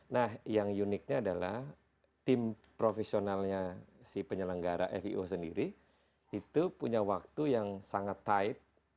nah yang uniknya adalah tim profesionalnya si penyelenggara fio sendiri itu punya waktu yang sangat tight